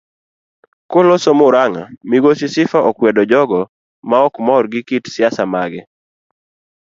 Koloso muranga migosi Sifa okwedo jogo maok mor gi kit siasa mage.